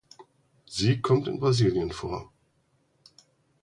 Sie kommt in Brasilien vor.